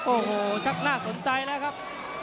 โอ้โหชักน่าสนใจแล้วครับ